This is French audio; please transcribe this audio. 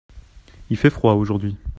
Il fait froid aujourd’hui.